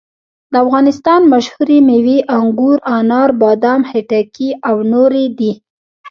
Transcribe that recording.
د افغانستان مشهورې مېوې انګور، انار، بادام، خټکي او نورې دي.